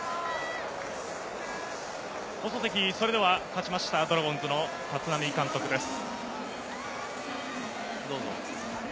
勝ちました、ドラゴンズ・立浪監督です。